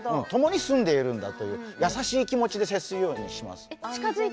ともに住んでいるんだという優しい気持ちで接するようにします。